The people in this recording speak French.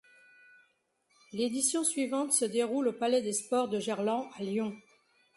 L'édition suivante se déroule au palais des sports de Gerland à Lyon.